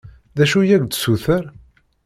D acu i ak-d-tessuter?